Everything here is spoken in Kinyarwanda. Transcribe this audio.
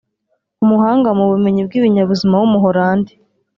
umuhanga mu bumenyi bw’ibinyabuzima w’umuholandi